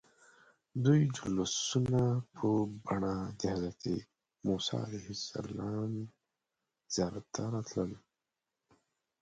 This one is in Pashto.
دوی جلوسونه په بڼه د حضرت موسى علیه السلام زیارت ته راتلل.